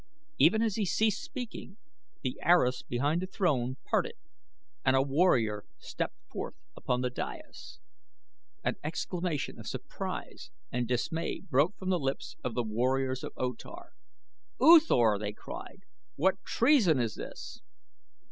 Even as he ceased speaking the arras behind the throne parted and a warrior stepped forth upon the dais. An exclamation of surprise and dismay broke from the lips of the warriors of O Tar. "U Thor!" they cried. "What treason is this?"